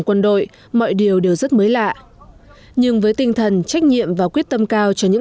quân đội mọi điều đều rất mới lạ nhưng với tinh thần trách nhiệm và quyết tâm cao cho những